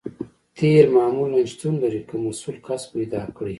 تیل معمولاً شتون لري که مسؤل کس پیدا کړئ